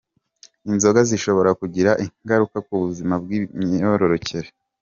Inzoga zishobora kugira ingararuka ku buzima bw’imyororokere